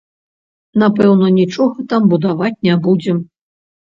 Напэўна, нічога там будаваць не будзем.